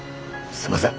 すいません。